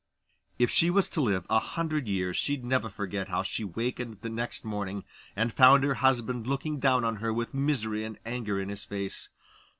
If she was to live a hundred years she'd never forget how she wakened next morning, and found her husband looking down on her with misery and anger in his face.